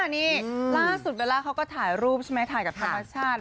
นี่ล่าสุดเบลล่าเขาก็ถ่ายรูปใช่ไหมถ่ายกับธรรมชาติ